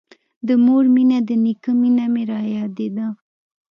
د مور مينه د نيکه مينه مې رايادېده.